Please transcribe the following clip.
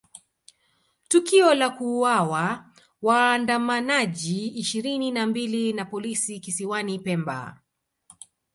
Tukio la kuuawa waandamanaji ishirini na mbili na polisi kisiwani Pemba